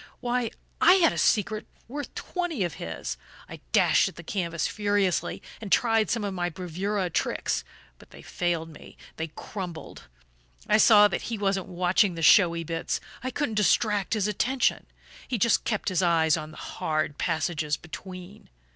Why, I had a secret worth twenty of his! I dashed at the canvas furiously, and tried some of my bravura tricks. But they failed me, they crumbled. I saw that he wasn't watching the showy bits I couldn't distract his attention; he just kept his eyes on the hard passages between.